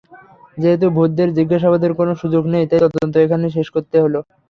যেহেতু ভূতদের জিজ্ঞাসাবাদের কোনো সুযোগ নেই, তাই তদন্ত এখানেই শেষ করতে হলো।